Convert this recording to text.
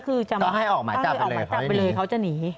ก็ให้ออกมาจับไปเลยเขาจะหนี